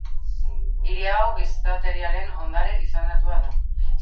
Hiri hau Gizateriaren Ondare izendatua da.